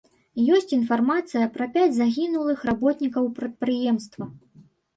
Ёсць інфармацыя пра пяць загінулых работнікаў прадпрыемства.